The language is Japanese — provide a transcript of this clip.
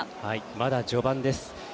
まだ序盤です。